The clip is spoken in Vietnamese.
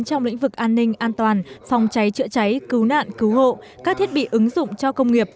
trong lĩnh vực an ninh an toàn phòng cháy chữa cháy cứu nạn cứu hộ các thiết bị ứng dụng cho công nghiệp